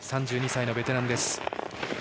３２歳のベテランです。